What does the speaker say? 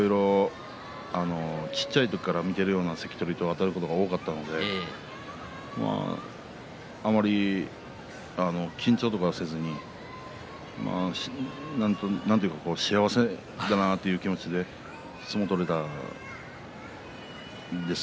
小っちゃい時から見ているような関取とあたることが多かったので緊張とかはせずになんていうか、幸せだなという気持ちで相撲を取れました。